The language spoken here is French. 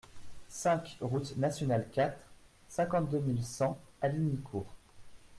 cinq route Nationale quatre, cinquante-deux mille cent Hallignicourt